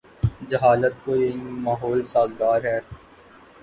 جہالت کو یہی ماحول سازگار ہے۔